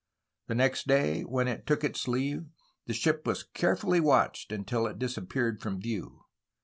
The next day, when it took its leave the ship was carefully watched until it disappeared from view.